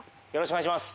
お願いします